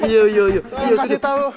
yuk yuk yuk